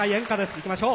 いきましょう。